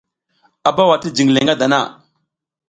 A bawa ti jiƞ le ngadana.